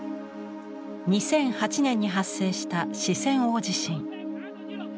２００８年に発生した四川大地震。